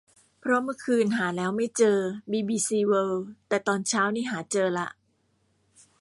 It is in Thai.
เพราะเมื่อคืนหาแล้วไม่เจอบีบีซีเวิลด์ แต่ตอนเช้านี่หาเจอละ